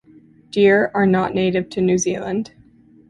Deer are not native to New Zealand.